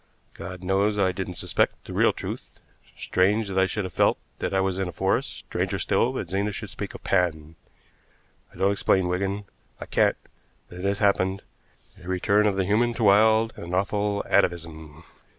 God knows I didn't suspect the real truth. Strange that I should have felt that I was in a forest, stranger still that Zena should speak of Pan. I don't explain, Wigan, I can't, but it has happened a return of the human to wild and awful atavism.